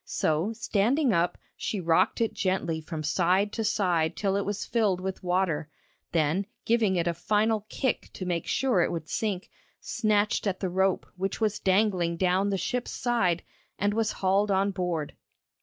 So standing up she rocked it gently from side to side till it was filled with water, then giving it a final kick to make sure it would sink, snatched at the rope which was dangling down the ship's side, and was hauled on board.